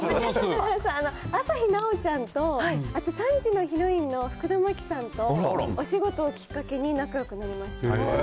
あさひなおちゃんと、あと３時のヒロインの福田まきさんとお仕事をきっかけに仲よくなりました。